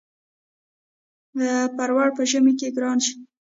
پروړ په ژمی کی ګران شی.